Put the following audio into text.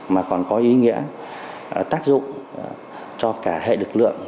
mà còn có ý nghĩa tác dụng cho cả hệ lực lượng